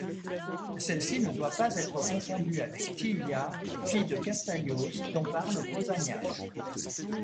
Celle-ci ne doit pas être confondue avec Thyia, fille de Castalios, dont parle Pausanias.